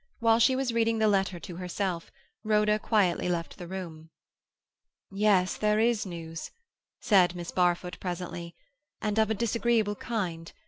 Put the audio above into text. Whilst she was reading the letter to herself, Rhoda quietly left the room. "Yes, there is news," said Miss Barfoot presently, "and of a disagreeable kind.